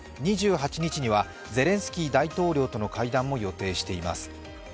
２８日には、ゼレンスキー大統領との会談も予定しています。